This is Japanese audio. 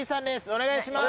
お願いします。